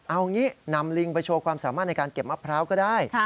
เอางี้นำลิงไปโชว์ความสามารถในการเก็บมะพร้าวก็ได้